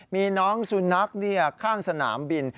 มีน้องสุนัขข้างสนามบิน